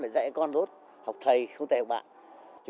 nụ cười hạnh phúc